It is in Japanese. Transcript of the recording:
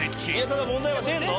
ただ問題は出んの？